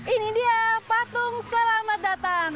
ini dia patung selamat datang